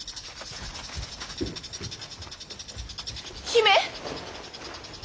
姫！